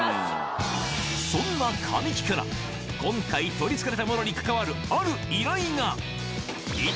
そんな神木から、今回取りつかれたものに関わるある依頼が。